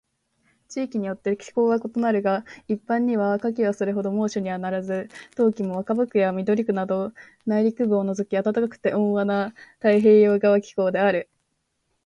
地域によって気候は異なるが、一般には夏季はそれほど猛暑にはならず、冬季も若葉区や緑区など内陸部を除き暖かくて温和な太平洋側気候である。